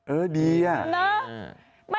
เออดีอะ